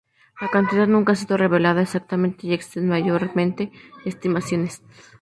La cantidad nunca ha sido relevada exactamente y existen mayormente estimaciones.